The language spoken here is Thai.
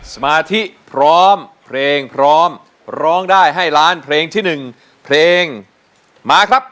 สมาธิพร้อมเพลงพร้อมร้องได้ให้ล้านเพลงที่๑เพลงมาครับ